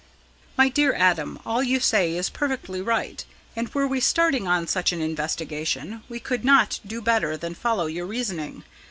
"My dear Adam, all you say is perfectly right, and, were we starting on such an investigation, we could not do better than follow your reasoning.